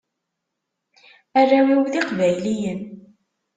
Arraw-iw d iqbayliyen.